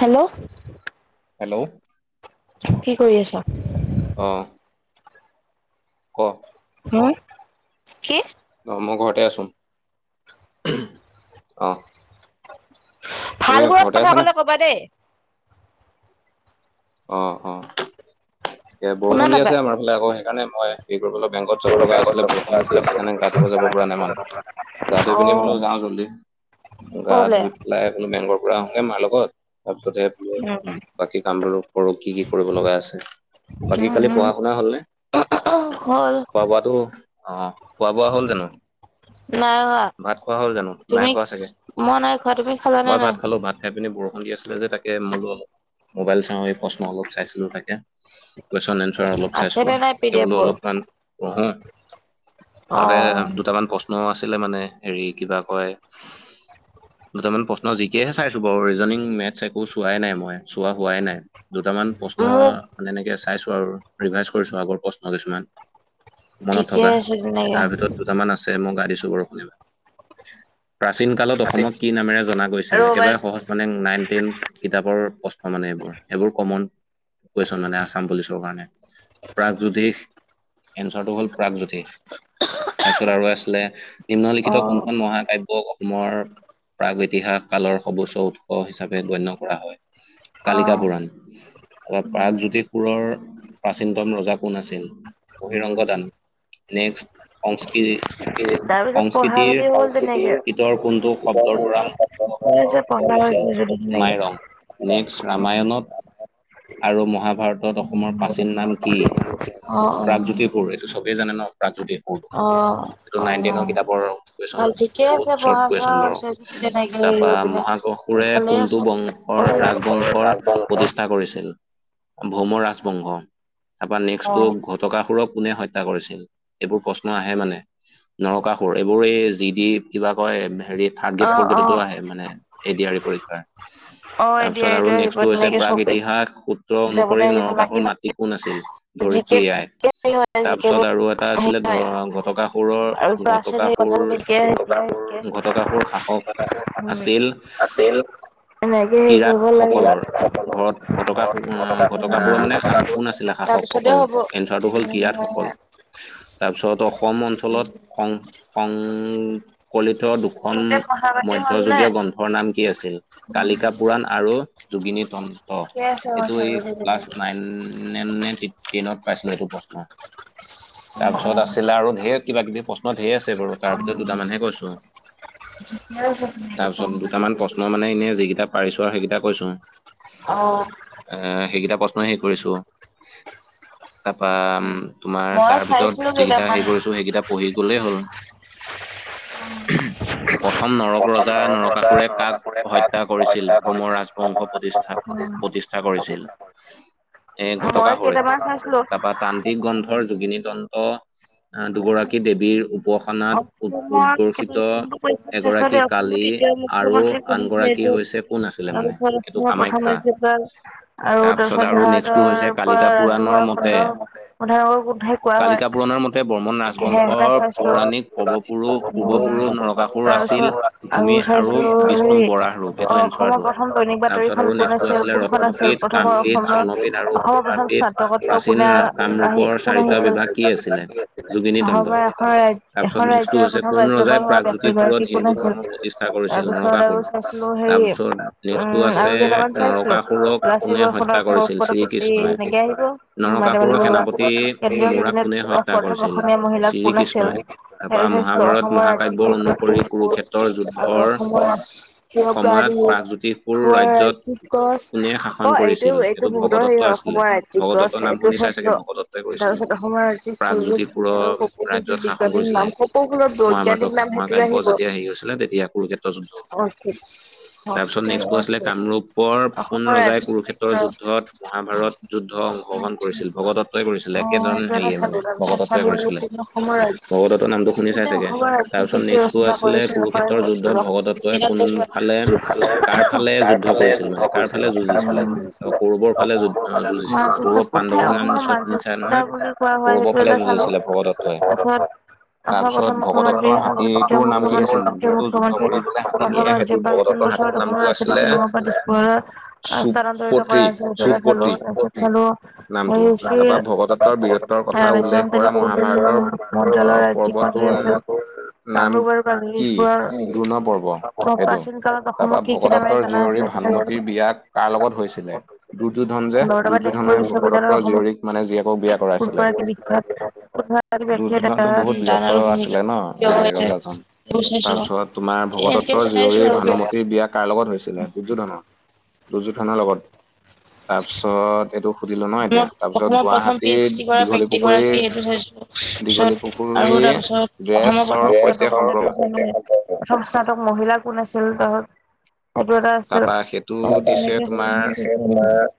Hello. Hello. কি কৰি আছ? অ। ক। হম কি? অ মই ঘৰতে আছো অ। ভাল সুৰত কথা কলে কবা দেইহ অ অ এ বৰষুণ দি আছে আমাৰ ফালে আকৌ সেইকাৰণে মই। এই কৰিব বেংকত যাব লগা আছিলে বৰষুণো দি আছে সেইণে গাাতো যাব পৰা নাই মানে। গা ধুই পিনি বোলো যাওঁ জল্দি গা ধুই। ওলাইফ মেংগৰ পৰা আহোগে মাৰ লগত তাৰ পিছত সেইফ বাকী কাম বো। কৰ কি কি কৰিব লগা আছে বাকী কালি পঢ়া শুনা হ'লনে? খোৱা বোৱাটো অ খোৱা বোৱা হ'ল জানো। ভাত খোৱা হ'ল জানো নাই খোৱা চাগে? মই ভাত খালো ভাত। খাই পিনে বৰষুণ দি আছিলে যে তাকে মই বোলো অলপ মোবাইল চাওঁ প্ৰশ্ন অলপ চাইছিলো তাকে। কোৱেচন এনচাৰ অলপ চাইছিলো তাকে বোলো অলপমান। অহো তাকে দুটামান প্ৰশ্ন। মোৰ আছিলে মানে হেৰি কিবা কয় দুটামান প্ৰশ্ন জিকেহে চাইছো বাৰু ৰিজনিং মেথছ একো চোৱাই নাই মই চোৱা হোৱাই নাই। দুটামান প্ৰশ্ন মানে এনেকে চাইছো আৰু ৰিভাইজ কৰিছো আগৰ প্ৰশ্ন কিছুমান। মনত থকা এ তাৰ ভিতৰত দুটামান আছে মই গা দিছো বাৰু শুনিবা? প্ৰাচীন কালত অসমক কি নামেৰে জনা গৈছিল একেবাৰে সহজ মানে নাইনটিন কিতাপৰ প্ৰশ্ন মানে এইবোৰ এইবোৰ কমন কুৱেচন মানে আসাম পুলিচৰ কাৰণে। প্ৰাগজ্যোতিষ এনচাৰটো হ'ল প্ৰাগজ্যোতি তাৰপিছত আৰু আছিলে নিম্নলিখিত কোনখন মহাকা অ অসমৰ প্ৰাগ ইতিহাস কালৰ সৰ্বোচ্চ উৎস হিচাপে গণ্য কৰা হয়। কালিকাপুৰাণ অলপ প্ৰাগজ্যোতিষ পুৰৰ প্ৰাচীনতম ৰজা কোন আছিল? মহিৰংগ দানৱ। নেক্সট, সংস্কৃ তাৰ পিছত পঢ়া পাতি হল তেনেকে। অ পঢ়াইছে পঢ়া হৈছে যদি কিন লাগিব নেক্সট ৰামায়ণত আৰু মহাভাৰতত অসমৰ প্ৰাচীন নাম কি? প্ৰাগজ্যোতিষপুৰ এই টো চবে জানে ন? প্ৰাগজ্যোতিষপুৰ এইটো নাইন, টেনৰ কিতাপৰ কুৱেশন এইবোৰ বহুত চৰ্ট কুৱেশন বাৰু। তাৰপা মহাঅসুৰে কোনটো বংশৰ ৰাজবং ঘৰ প্ৰতিষ্ঠা কৰিছিল ভৌম ৰাজবংশ তাৰপা নেক্সটো ঘ টকাসুৰক কোনে হত্যা কৰিছিল? এইবোৰ প্ৰশ্ন আহে মানে। নৰকাসুৰ এইবোৰে যি দি কিবা কয় হেৰিত থাৰড গ্ৰেড ফৰ গ্ৰেডতো আহে মানে এ ডি আৰ ই পৰীক্ষা তাৰপিছত আৰু নে বস্তু হৈছে প্ৰাক ইতিহাস সূত্ৰ অনুসৰি নৰকাসুৰ মাতৃ কোন আছিল? ধৰিত্ৰি আই। [unintelligible] হয়জিৰ হেৰি হয় আৰু ত আছে হ কথাাব [unintelligible] আছিল এনেকে হেৰি কৰিব লাগে সকলৰ ঘৰত ঘটকা উম ঘটকাসুৰৰ মানে শা কোন আছিলে শাসকসকল? এঞ্চাৰটো হল কিৰাতসকল। তাৰপিছত অসম অঞ্চলত খং খং কলিত দুখন মধ্যযুগীয় গ্ৰন্থৰ নাম কি আছিল? কালিকা পুৰাণ আৰু যোগিনিতন্ত্ৰ, এইটো এই ক্লাছ নাইন উম নে নে টে টেইনত পাইছিলো এইটো প্ৰশ্ন। তাৰপিছত আছিলে আৰু ঢেৰ কিবা কিবি প্ৰশ্ন ঢেৰ আছে বাৰু তাৰ ভিতৰত দুটামানহে কৈছো। তাৰ পিছত দুটামান প্ৰশ্ন মানে এনে যিকেইটা পাৰিছো আৰু সেইকেইটা কৈছো। অ। আহ সেইকেইটা প্ৰশ্ন হে কৰিছো। তাৰপা আম তোমাৰ তাৰ ভিতৰত যিকিটা হেৰি কৰিছো সেইকেইটা পঢ়ি গলেই হ'ল, উহুম। প্ৰথম নৰক ৰজা নৰকাসুৰে কাক হত্যা কৰিছিল ভ্ৰোমৰ ৰাজবংশ প্ৰতি তিষ্ঠা প্ৰতিষ্ঠা কৰিছিল? এ ঘটকাসুৰে। বা তান্ত্ৰিকগ্ৰন্থৰ যোগিনিতন্ত আহ দুগৰাকী দেৱীৰ উপাসনাত উ উৎকৰ্ষিত এগৰাকীক কালি আৰু আনগৰাকী হৈছে কোন আছিলে মানে এইটো কামাখ্যা। তাৰপিছত আৰু নেক্সটো হৈছে কালিকা পুৰাণৰ মতে কালিকা পুৰাণৰ ঘৰ এটা চাইছোঁ উম তাৰপিছত আৰু চাইছিলো সেই, অ অসমৰ প্ৰথ দৈনিক বাতৰিখন কোন আছিল কোনখন আছিল প্ৰথমৰ অসমত অসমৰ প্ৰথম স্বা মহত্ব কোনে আহি কোন আহিছিল। অসমৰ এখন ৰাজ এখন ৰাজ্যয়ৰ প্ৰথম ৰাজ্যপাল হোৱা ব্যক্তিগৰাকী কোন আছিল? তাৰপিছত আৰু চাইছিলো সেই উম। উম আৰু কেইটামান চাইছোঁ লাচিত বৰফুকনৰ বৰ কতকি সেনেকে আহিব। [unintelligible] অসমীয়া মহিলা কোন আছিল সেইটো অসমৰ ৰাজ্যিক ভিত্তিত ক্ৰুচ। আৰু অসমৰ থিয় প্ৰাৰী। অসমৰ ৰাজ্যিক গছ অ এইটো এইটো বহুতৰ হেৰি হয় অসমৰ ৰাজ্যি জ্যিক গছ এইটো চাইছিলো তাৰপিছত অসমৰ ৰাজ্যিক ফুল। আৰু সকল বিজ্ঞানিক নাম সকলোৰৰ বৈজ্ঞানিক নাম সেইটো আহিব। [inaudible] অসমৰ ৰাজ্যিক নিত্য অসম নিত্য। অঁ' এইটো এটা চালোঁ তাৰপিছত। আৰু অসমৰ ৰাজ এতিয়া অসমৰ ৰাজ্যিক গীটোৱে ৰচনা কৰিছে। [unintelligible] তাৰ ফালে যুদ্ধ কৰিছিল মানে তাৰ ফালে বুজিছিলে আৰু সৰু বৰ ফালে যুদ্ধ কৰিছিল। কোন ঠাই অসমৰ মানচিতা বুলি কোৱা হয় সেইটো এটা চালো পাছত। অসমৰ প্ৰথম মুখ্যমন্ত্ৰী দ্বিতীয় মুখ্যমন্ত্ৰী তৃতীয় মুখ্যমন্ত্ৰী প্ৰথম বাৰ। যে পাৰ কোন বছৰ দখোৱা। শ্বিলঙৰ পৰা তেজপুৰত স্থানান্তৰিত কৰা হৈছে স চালো তাৰপিছত চালো। [inaudible] তেনে মডলৰ ৰাজ্যিকখনি আছিল। কামৰূপ আৰু কাজজপুৰৰ প্ৰাচীন কালত অসমত কি জগদত্তৰ জীয়ৰী ভানুমতৰ বিয়া কাৰ লগত হৈছিলে দুৰ্যোধনে যে দুৰ্যো দুৰ্যোধনে ভকদত্তৰ জীয়ৰীক মানে জীয়েক বিয়া কৰাইছিলে। দুৰ্যোধনতটো বহুত বিৰত আছিলে ন এ ৰজা জন। তাৰপিছত তোমাৰ ভগদত্তৰ জীয়ৰী ভানুমতীৰ বিয়াক কাৰ লগত হৈছিলে দুৰ্যোধন দুৰ্যোধনৰ লগত তাৰপিছত। অসমত অসমৰ প্ৰথম পি এইচ ডি কৰা বক্তিগৰাকীয় এইটো চাইছোঁ। তাৰ পিছত আৰু তাৰপিছত অসমৰ প্ৰথম স্নাতক স্নাতক মহিলা কোন আছিল। তাৰপিছত [unintelligible]